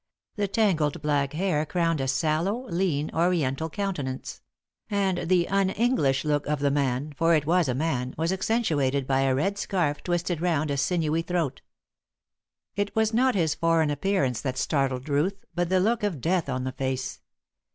The tangled black hair crowned a sallow, lean, Oriental countenance; and the un English look of the man for it was a man was accentuated by a red scarf twisted round a sinewy throat. It was not his foreign appearance that startled Ruth, but the look of death on the face.